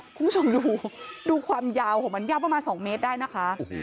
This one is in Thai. คุณผู้ชมดูดูความยาวของมันยาวประมาณ๒เมตรได้นะคะ